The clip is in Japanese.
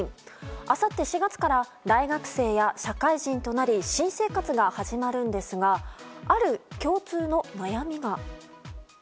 あさって４月から大学生や社会人となり新生活が始まるんですがある共通の悩みが。